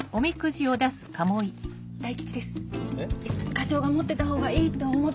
課長が持ってたほうがいいと思って。